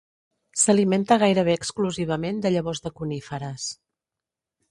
S'alimenta gairebé exclusivament de llavors de coníferes.